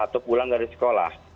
atau pulang dari sekolah